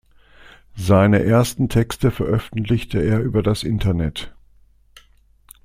Seine ersten Texte veröffentlichte er über das Internet.